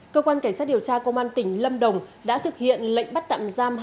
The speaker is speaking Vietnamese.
cơ quan cảnh sát điều tra công an tỉnh lâm đồng đã thực hiện lệnh bắt tạm giam